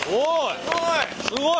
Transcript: すごい！